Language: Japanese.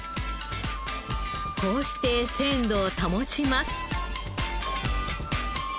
こうして鮮度を保ちます。